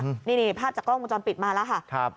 นี่ภาพจากกล้องวงจรปิดมาแล้วค่ะ